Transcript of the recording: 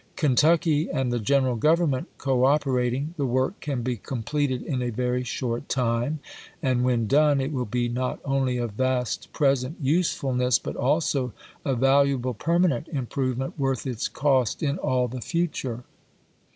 Kentucky and the Greneral Grovernment cooperat ing, the work can be completed in a very short time ; and when done, it will be not only of vast present usefulness, but also a valuable permanent "^'oiobe!"' improvement worth its cost in all the future."